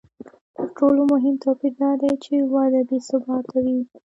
تر ټولو مهم توپیر دا دی چې وده بې ثباته وي